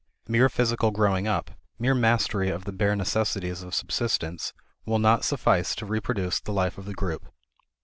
Mere physical growing up, mere mastery of the bare necessities of subsistence will not suffice to reproduce the life of the group.